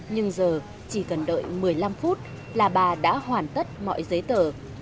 nhưng giờ chỉ cần đợi một mươi năm phút là bà đã hoàn tất mọi giấy tờ